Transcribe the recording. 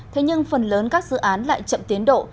thế nhưng phần lớn các dự án lại chậm tiến độ